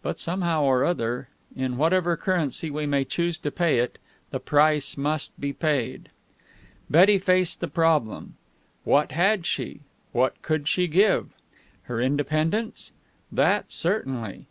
But somehow or other, in whatever currency we may choose to pay it, the price must be paid. Betty faced the problem. What had she? What could she give? Her independence? That, certainly.